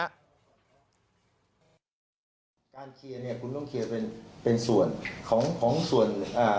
การเคลียร์เนี่ยคุณต้องเคลียร์เป็นเป็นส่วนของของส่วนอ่า